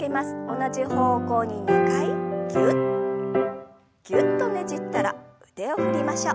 同じ方向に２回ぎゅっぎゅっとねじったら腕を振りましょう。